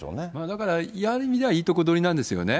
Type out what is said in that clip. だから、ある意味ではいいとこどりなんですよね。